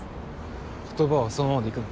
言葉はそのままでいくの？